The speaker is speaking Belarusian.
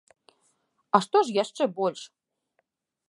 А што ж яшчэ больш?